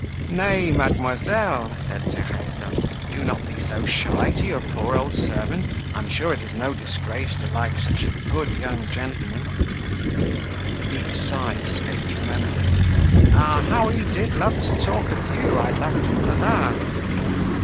"Nay, mademoiselle," said Theresa, "do not be so shy to your poor old servant. I am sure it is no disgrace to like such a good young gentleman." A deep sigh escaped from Emily. "Ah! how he did love to talk of you! I loved him for that.